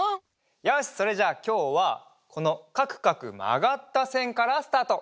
よしそれじゃあきょうはこのかくかくまがったせんからスタート！